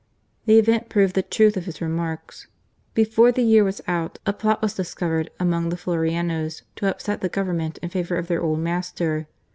The event proved the truth of his remarks. Before the year was out, a plot was discovered among the "Floreanos" to upset the Government in favour of their old master.